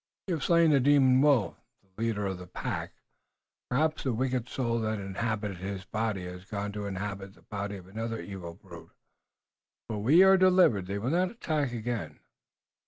You have slain the demon wolf, the leader of the pack. Perhaps the wicked soul that inhabited his body has gone to inhabit the body of another evil brute, but we are delivered. They will not attack again."